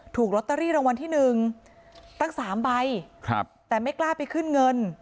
ถูกลอตเตอรี่รางวัลที่หนึ่งตั้งสามใบครับแต่ไม่กล้าไปขึ้นเงิน